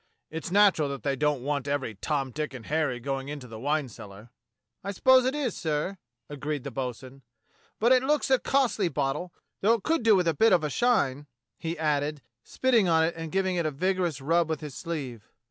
" It's natural that they don't want every Tom, Dick, and Harry going into the wine cellar." "I suppose it is, sir," agreed the bo'sun, "but it looks a costly bottle, though it could do with a bit of a shine," he added, spitting on it and giving it a vigorous rub with his sleeve.